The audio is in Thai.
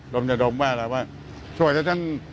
โดมแว่ว่าช่วยฉัน